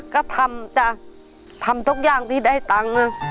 ก็ทำจ้ะทำทุกอย่างที่ได้ตังค์นะ